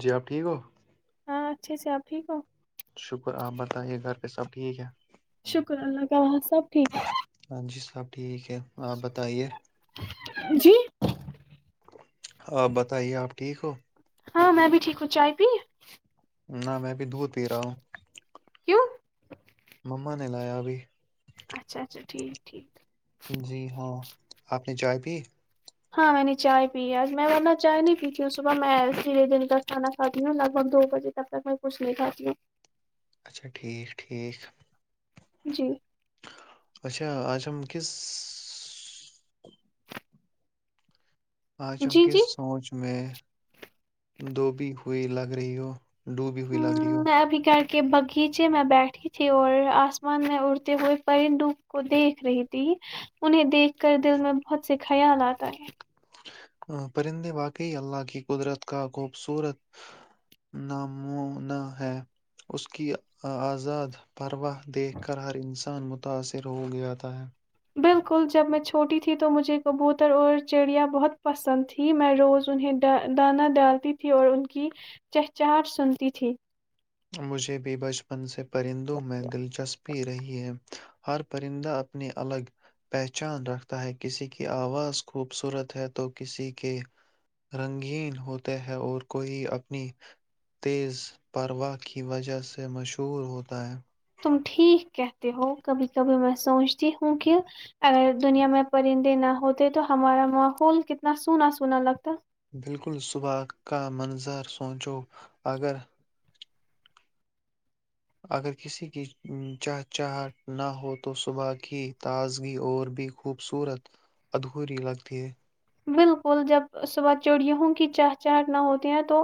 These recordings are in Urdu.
جی آپ ٹھیک ہو ہاں اچھے سے آپ ٹھیک ہو شکر آپ بتائے گھر پہ سب ٹھیک ہے شکر اللہ تعالاں سب ٹھیک ہاں جی سب ٹھیک ہے آپ بتائیے جی ہاں بتائیے آپ ٹھیک ہو ہاں میں بھی ٹھیک ہوں چائے پی نہ میں بھی دھود دے رہا ہوں کیوں مما نے لایا بھی اچھا اچھا ٹھیک ٹھیک جی ہاں آپ نے چائے پی ہاں میں نے چائے پی ہے میں ورنہ چائے نہیں پیتی ہوں صبح میں سیدھے دن تک کھانا کھاتی ہوں لگ بھگ دو بجے تب تک میں کچھ نہیں کھاتی ہوں اچھا ٹھیک ٹھیک جی اچھا آج ہم کس آج ہم جی کی جی سوچ میں دب ہوئی لگ رہی ہو ڈوبی ہوئی لگ رہی ہو میں ابھی گھر کے باغیچے میں بیٹھی تھی اور آسمان میں اڑتے ہوئے پرندو کو دیکھ رہی تھی انہیں دیکھ کر دل میں بہت سے خیال آتا ہے پرندے واقعی اللہ کی قدرت کا خوبصورت نامنا ہے اس کی آزاد پرواہ دیکھ کر ہر انسان متاثر ہو گاتا ہے بالکل جب میں چھوٹی تھی تو مجھے کبوتر اور چڑیاں بہت پسند تھی میں روز انہیں دانا ڈالتی تھی اور ان کی چہچاہٹ سنتی تھی مجھے بھی بچپن سے پرندوں میں دلچسپی رہی ہے ہر پرندہ اپنی الگ پہچان رکھتا ہے کسی کی آواز خوبصورت ہے تو کسی کے رنگین ہوتے ہے اور کوئی اپنی تیز پرواہ کی وجہ سے مشہور ہوتا ہے تم ٹھیک کہتے ہو کبھی کبھی میں سوچتی ہوں کہ اگر دنیا میں پرندے نہ ہوتے تو ہمارا ماحول کتنا سونا سونا لگتا بالکل صبح کا منظر سوچو اگر اگر کسی کی چہچہ نہ ہو تو صبح کی تازگی اور بھی خوبصورت ادھوری لگتی ہے بالکل جب صبح چڑیوں کی چاہ چاہ نہ ہوتی ہے تو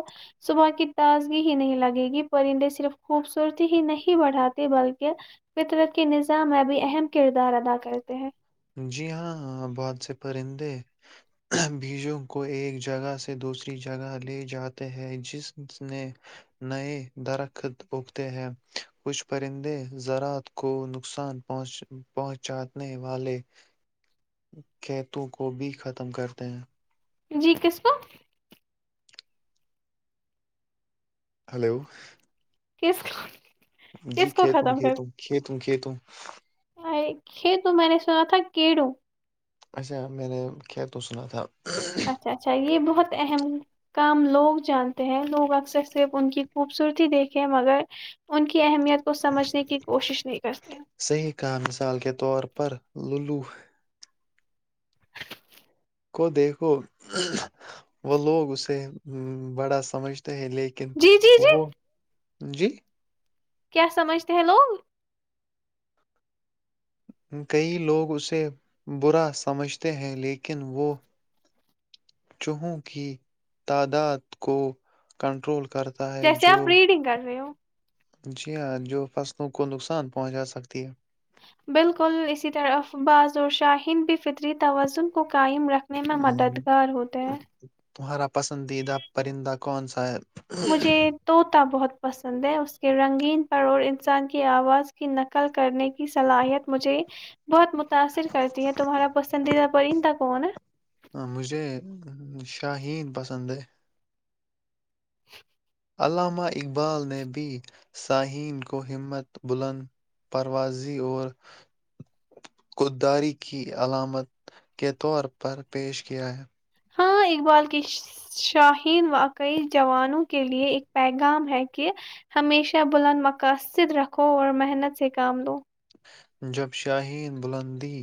صبح کی تازگی ہی نہیں لگے گی پرندے صرف خوبصورتی ہی نہیں بڑھاتے بلکہ فطرت کے نظام میں بھی اہم کردار ادا کرتے ہیں جی ہاں بہت سے پرندے بیجوں کو ایک جگہ سے دوسری جگہ لے جاتے ہیں جس نے نئے درخت اگتے ہیں کچھ پرندے زراعت کو نقصان پہنچ پہنچے والے کیتوں کو بھی ختم کرتے ہیں جی کس کو ہلو کس کا جی کھیتوں کھیت کھیت کھی تووں یہ تو میں نے سنا تھا کیڑو اچھا میں نے ک تو سنا تھا اچھا اچھا یہ بہت اہم کام لوگ جانتے ہیں لوگ اکثر صرف ان کی خوبصورتی دیکھیں مگر ان کے اہمیت کو سمجھنے کی کوشش نہیں کرتے ہیں صحیح کہا مثال کے طور پر لولو کو دیکھو وہ لوگ اسے بڑا سمجھ ہیں لیکن جی جی جی وہ جی کیا سمجھتے ہیں لوگ کئی لوگ اسے برا سمجھتے ہیں لیکن وہ چوہوں کی تعداد کو کنٹرول کر جیسے آپ ریڈنگ کر رہے ہو جی ہاں جو فصلوں کو نقصان پہنچا سکتی ہے بالکل اسی طرف بعازور شاہین بھی فطری توازن کو قائم رکھ ہ تمہارا پسندیدہ پرندہ کون سا ہے مجھے توط بہت پسند ہے اس کے رنگین پر اورڑ انسان کی آواز کی نقل کرنے کی صلاحیت مجھے بہت متاثر کرتی ہیں تمہارا پسندیدہ پرندہ کون نا ہ شاہین پسند ہے علامہ اقبال نے بھی صاہین کو ہمت بلند پروازی اور داری کی علامت کے طور پر پیش کیا ہے ہاں اقبال کی شاہین واقعی جوانوں کے لیے ایک پیغام ہے کہ ہمیشہ بلند مقاصد رکھو اور محنت سے کام لو جب شاہین بلندی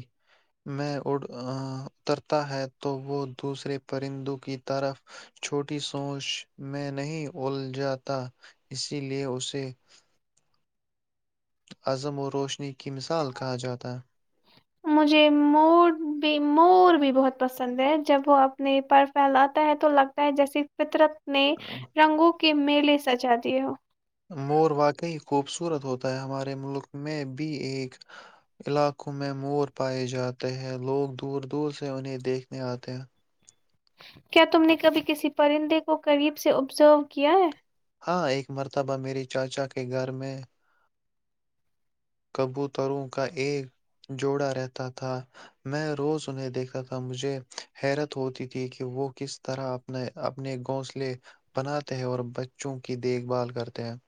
میں اترتا ہے تو وہ دوسرے پرندوں کی طرف چھوٹی سوچ میں نہیں اول جاتا اسی لیے اسے عزم و روشنی کے مجھے مور بھی مور بھی بہت [unintelligible] پسند ہے جب وہ اپنے پر پھیلاتا ہے تو لگتا ہے جیسے فطرت [unintelligible] نے ہے رنگوں [inaudible] کے میلے سچا دیے ہو [unintelligible] مور واقعی خوبصورت ہوتا ہے ہمارے ملک میں بھی ایک علاقوں میں مور پائے جاتے ہیں لوگ دور دور سے انہیں دیکھنے آتے ہیں [unintelligible] کیا تم نے کبھی کسی پرندے کو قریب سے ابزرو کیا ہے [unintelligible] ہاں ایک مرتبہ میری چاچا کے گھر میں [unintelligible] کبوتروں کا ایک جوڑا رہتا تھا میں روز انہیں دیکھتا تھا مجھے حیرت ہوتی تھی کہ وہ کس طرح اپنے اپنے گھونسلے بناتے ہیں اور بچوں کی دیکھ بھال کرتے ہیں [unintelligible]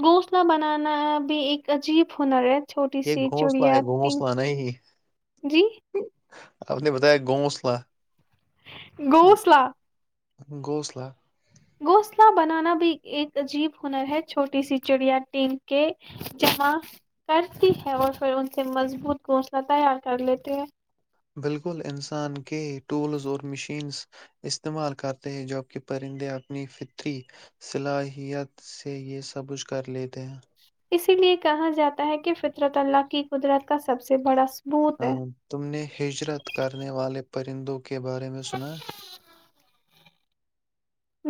گھونسلہ بنانا بھی ایک عجیب ہنر ہے [unintelligible] چھوٹی یہ سی گھونسلہ ہے چڑیا گھونسلہ نہیں جی [unintelligible] آپ نے بتایا گھونسلا [unintelligible] گوسلہ [unintelligible] گھوسلہ [unintelligible] گھونسلہ بنانا بھی ایک عجیب ہنر ہے چھوٹی سی چڑیا ٹیم کے جمع کرتی ہے اور پھر ان سے مضبوط گھونسلہ تیار کر لیتے ہیں [unintelligible] بالکل انسان کے ٹولز اور مشینز استعمال کرتے ہیں جبکہ پرندے اپنی فطری صلاحیت سے یہ سبچھ کر لیتے ہیں [unintelligible] اسی لیے کہا جاتا ہے کہ فطرت اللہ کی قدرت کا سب سے [unintelligible] ثبوت ہ ہے تم نے ہجرت کرنے والے [unintelligible] پرند [inaudible] کے بارے میں سنایں [unintelligible]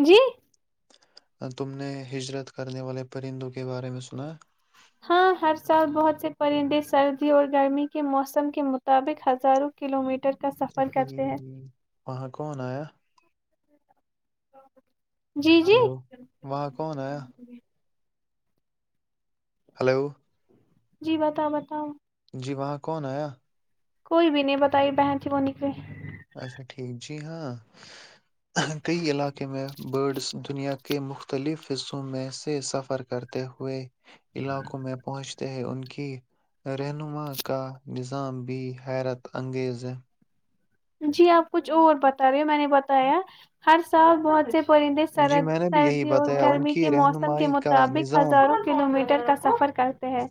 جی [inaudible] تم نے ہجرت کرنے والے پرندوں کے بارے میں سنا [unintelligible] ہاں ہر سال بہت سے پرندے سردی اور گرمی کے موسم کے مطابق ہزاروں کلو میٹر [unintelligible] اچھا ٹھیک وہاں کون آیا [unintelligible] ا [inaudible] ہلو وہاں کون آ [unintelligible] ہلو جی بتاؤ بتاؤ جی وہاں کون آیا کوئی بھی نہیں بتائی بہن ت ہی وہ نکلی اچھا ٹھیک جی ہاں کئی علاقے میں برڈس دنیا کے مختلف حصوں میں سے سفر کرتے ہوئے علاقوں میں پہنچ ہیں ان کی رہنما کا نظام بھی حیرت انگیز ہے جی آپ کچھ اور بتا رہے ہو میں نے بتایا ہر سال بہت سے پرندے جی میں نے بھی یہی سردی اور بتایا ان گرمی کے کی موسم کے رہنمائی کا مطابق نظام ہزاروں کلو میٹر ٹ کا سفر کرتے ہیں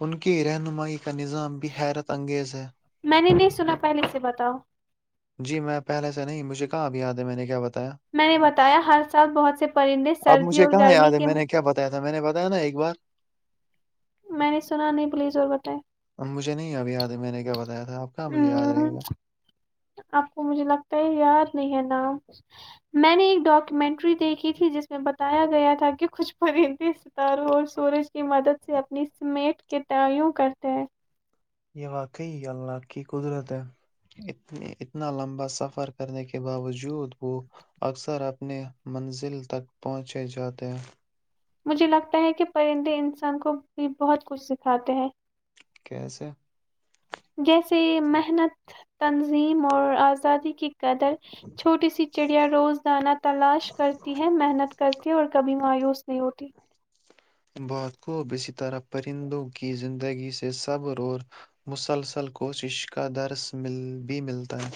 ان کی رہنمائی کا نظام بھی حیرت انگیز ہے میں نے نہیں سنا پہلے سے بتاؤ جی میں پہے سے نہیں مجھے کہاںب یاد ہے میں نے کیا بتا میں نے بتایا ہر سال بہت سے پرندے سردی اور گرمی کے اا میں نے بتایا نا ایک بار میں نے سنا نہیں پلیز اور بتائے اب مجھے نہیں اب یاد ہے میں نے کیا بتایا تھا آپ کہاں مجھے یاد رہے گا آپ کو مجھے لگتا ہے یاد نہیں ہے نام میں نے ایک ڈاکومینٹری دیکھی تھی جس میں بتایا گیا تھا کہ کچھ پرندے ستاروں اور سورج کی مدد سے اپنی سمیٹ کے تعوں کرتے ہیں یہ واقعی اللہ کی قدرت ہے اتنا لمبا سفر کرنے کے باوجود وہ اکثر اپنی منزل تک پہنچے جاتے ہیں مجھے لگتا ہے کہ پرندے انسان کو بھی بہت کچھ سکھاتے ہیں کی سا جیسے محنت تنظیم اور آزادی کی قدر چھوٹی سی چڑیا روزدانہ تلاش کرتی ہے محنت کرتی اور کبھی مایوس نہیں ہوتی بات کوب اسی طرح پرندوں کی زندگی سے صبر اور مسلسل کوشش کا درس بھی ملتا ہے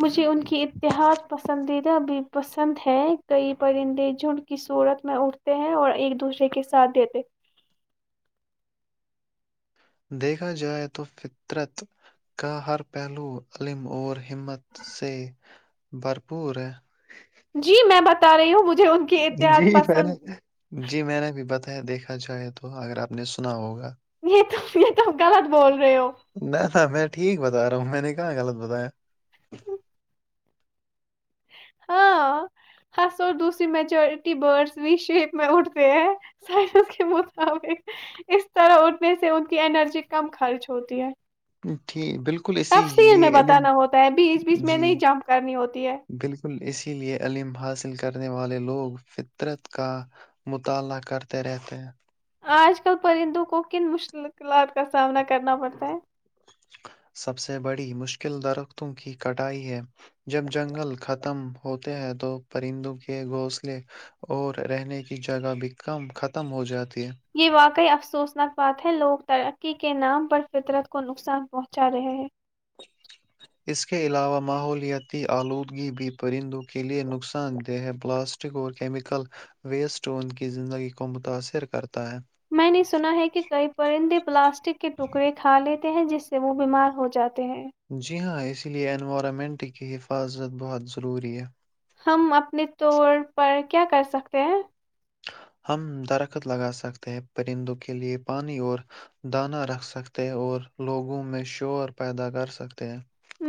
مجھے ان کی اتحاد پسندید بھی پسند ہے کئی پرندے جھنڈ کی صورت میں اٹھتے ہیں اور ایک دوسرے کے ساتھ دیتے دیکھا جائے تو فطرت کا ہر پہلو علم اور ہمت سے بھرپور ہے جی میں بتا رہی ہوں وہجھ جی میں نے جی میں نے بھی بتا دیکھا جائے تو اگر آپ نے سنا ہوگا نہیں تو یہ تو غلط بول رہے ہو نہ تھا میں ٹھیک بتا رہا ہوں میں نے کہاں غلط بتایا ہاں ہس اور دوسری میچورٹی برڈس بھی شیپ میں اٹھتے ہیں سائ کے مطابق اس طرح اٹھنے سے ان کی انرجی کم خرچ ہوتی ہے ٹھیک بالکل اسی تفصیل میں لیے علم بتانا ہوتا ہے بیچ بیچ میں جی نہیں جمپ کرنی ہوتی ہے لئے علم حاصل کرنے والے لوگ فطرت کا مطالعہ کرتے رہتے ہیں آج کل پرندوں کو کن مشکلات کا سامنا کرنا پڑتا ہے سب سے بڑی مشکل درختوں کی کٹائی ہے جب جنگل ختم ہوتے ہیں تو پرندوں کے گھونسلے اور رہنے کی جگہ بھی کم ختم ہو جاتی ہے یہ واقعی افسوسناک بات ہے لوگ ترقی کے نام پر فطرت کو نقصان پہنچا رہے ہیں اس کے علاوہ ماحولیاتی آلودگی بھی پرندوں کے لئے نقصان دہ پلاسٹک اور کیمیکل ویسٹ ان کی زندگی کو متاثر کرتا ہے میں نے سنا ہے کہ کئی پرندے پلاسٹک کے ٹکڑے کھا لیےتے ہیں جس سے وہ بیمار ہو جاتے ہیں جی ہاں اسی لیے انوائرمنٹ کی حفاظت بہت ضروری ہے ہم اپنے طور پر کیا کر سکتے ہیں ہم درخت لگا سکتے ہیں پرندوں کے لئے پانی اور دانہ رکھ سکتے ہیں اور لوگوں میں شور پیدا کرسکتے ہیں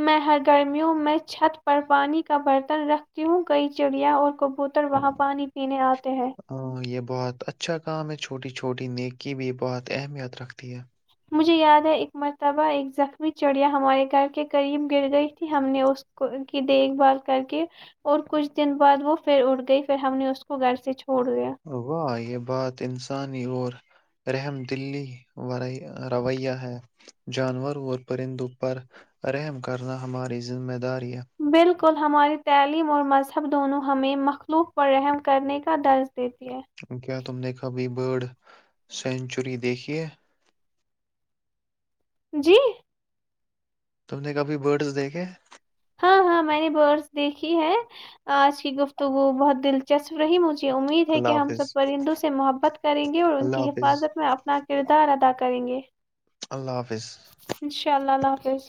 میں ہرگررمیوں میں چھت پر پانی کا برتن رکھتی ہوں کئی چڑیا اور کبوتر وہاں پانی پینے آتے ہیں ہاں یہ بہت اچھا کام ہے چھوٹی چھوٹی نیک کی بھی بہت اہمیت رکھتی ہے مجھے یاد ہےا اک مرتبہ اک زخمی چڑیا ہمارے گھر کے قریب گر گئی تھی ہم نے اس کو کی دیکھ بھال کر کے اور کچھ دن بعد وہ پھر اٹ گئی پھر ہم نے اس کو گھر سے چ واہ یہ بات انسانی اور رحم دلی وورائی رویہ ہے جانوروں اور پرندوں پر رحم کرنا ہماری ذمہ داری [unintelligible] بالکل ہماری تعلیم اور مذہب دونوں ہمیں مخلوق پر رحم کرنے کا درج دیتی ہے کیا تم نے کبھی برڈ سینچری دیکھیے جی تم نے کبھی برڈز دیکھے ہاں ہاں میں نے برس دیکھی ہے آج کی گفتگو بہت دلچسپ رہی مجھے امید ہے اللہ کہ ہم سب حافظ پرندوں سے محبت کریں گے اور ان اللہ کی حافظ حفاظت میں اپنا کردار ادا کر کریں گے اللہ حافظ ایس